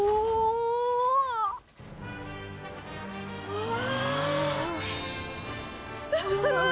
うわ！